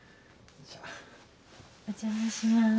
お邪魔します。